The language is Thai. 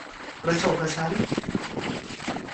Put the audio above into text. กระโชกกระชั้น